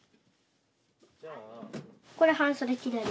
これ半袖着れる。